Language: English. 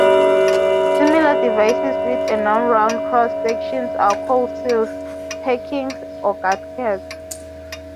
Similar devices with a non-round cross-sections are called seals, packings or gaskets.